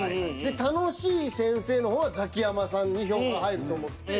楽しい先生の方はザキヤマさんに票が入ると思って。